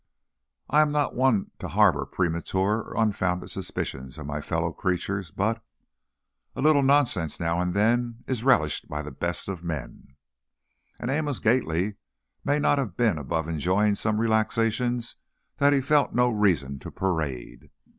I am not one to harbor premature or unfounded suspicions of my fellow creatures, but "A little nonsense, now and then, Is relished by the best of men," And Amos Gately may not have been above enjoying some relaxations that he felt no reason to parade.